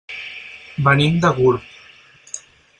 Venim de Gurb.